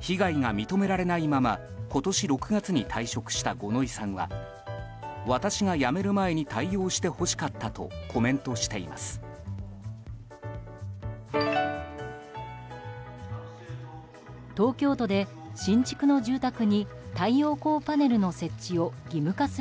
被害が認められないまま今年６月に退職した五ノ井さんは私が辞める前に対応してほしかったとコメントしています。